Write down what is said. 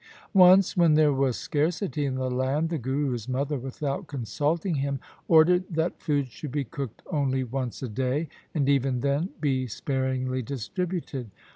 ' Once when there was scarcity in the land the Guru's mother, without consulting him, ordered that food should be cooked only once a day, and even then be sparingly distributed.